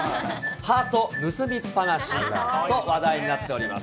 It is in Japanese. ハート盗みっぱなしと話題になっています。